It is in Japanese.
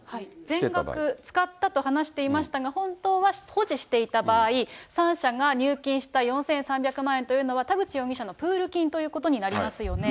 全額使ったと話していましたが、本当は保持していた場合、３社が入金した４３００万円というのは、田口容疑者のプール金ということになりますよね。